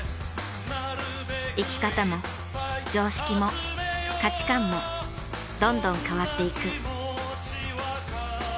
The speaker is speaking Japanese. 生き方も常識も価値観もどんどん変わっていく。